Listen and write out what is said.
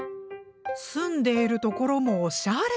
住んでいる所もおしゃれ！